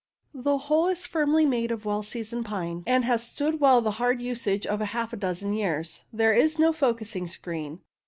The whole is firmly made of well seasoned pine, and has stood well the hard usage of half a dozen years. There is no focusing screen.